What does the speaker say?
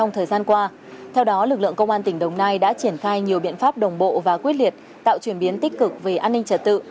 tỉnh đồng nai đã triển khai nhiều biện pháp đồng bộ và quyết liệt tạo chuyển biến tích cực về an ninh trả tự